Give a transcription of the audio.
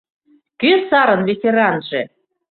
«Кӧ сарын ветеранже?!